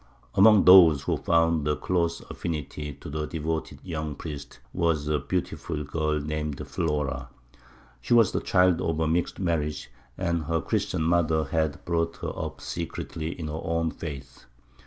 Among those who found a close affinity to the devoted young priest, was a beautiful girl named Flora. She was the child of a mixed marriage, and her Christian mother had brought her up secretly in her own faith.